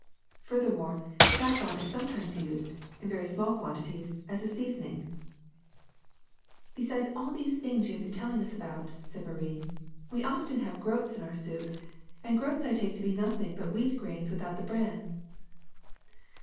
Furthermore, saffron is sometimes used, in very small quantities, as a seasoning/' *^ Besides all these things you have Saffron been telling us about,'' said Marie, 'Sve often have groats in our soup, and groats I take to be nothing but wheat grains without the bran."